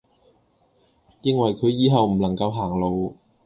認為佢以後唔能夠行路